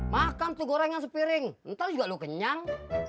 makan tuh goreng yang sepiring ntar juga lo kenyang